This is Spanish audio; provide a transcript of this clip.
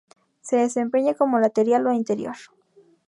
Se desempeña como lateral o interior.